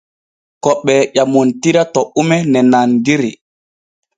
Ko ɓee ƴamontira to ume ne nandiri.